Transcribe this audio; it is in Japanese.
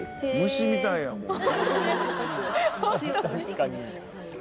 「確かに」